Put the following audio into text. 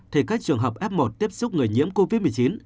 thì các trường hợp f một tiếp xúc người nhiễm covid một mươi chín